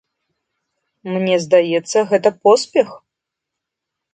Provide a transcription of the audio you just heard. Мне здаецца, гэта поспех!